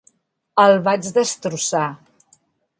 El vaig destrossar!